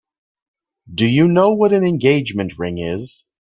Do you know what an engagement ring is?